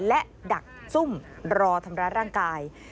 และดักซุ่มรอทำร้ายร่างกาย